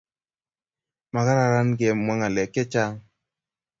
Ma kararan kimwa ng'alek che chang